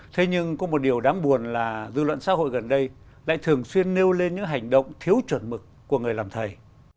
thế nhưng có một điều đáng buồn là dư luận xã hội gần đây lại thường xuyên nêu lên những hành động thiếu chuẩn mực của người làm thầy